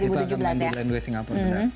kita akan di lendway singapura ya